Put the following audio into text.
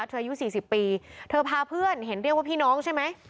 เธออยู่สี่สิบปีเธอพาเพื่อนเห็นเรียกว่าพี่น้องใช่ไหม